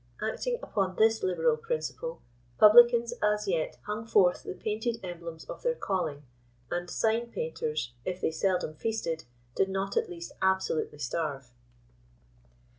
Acting upon this liberal principle, publicans as yet hung forth the painted emblems of their calling, and sign painters, if they seldom feasted, did not at least absolutely starve.